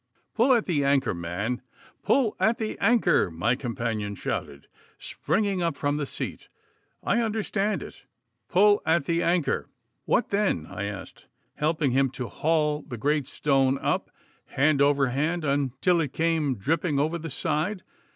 'Pull at the anchor, man, pull at the anchor!' my companion shouted, springing up from the seat. 'I understand it! Pull at the anchor!' 'What then?' I asked, helping him to haul the great stone up, hand over hand, until it came dripping over the side.